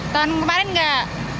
tahun kemarin enggak